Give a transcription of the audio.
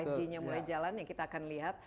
lima g nya mulai jalan ya kita akan lihat